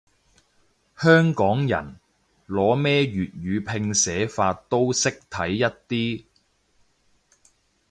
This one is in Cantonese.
香港人，攞咩粵語拼寫法都識睇一啲